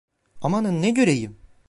Amanın ne göreyim!